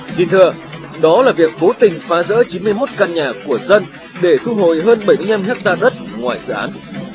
xin thưa đó là việc cố tình phá rỡ chín mươi một căn nhà của dân để thu hồi hơn bảy mươi năm hectare đất ngoài dự án